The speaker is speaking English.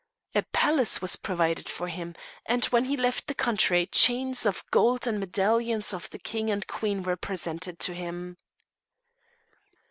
A palace was provided for him, and when he left the country chains of gold and medallions of the King and Queen were presented to him.